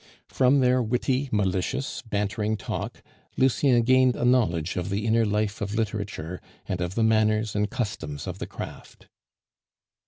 From their witty, malicious, bantering talk, Lucien gained a knowledge of the inner life of literature, and of the manners and customs of the craft.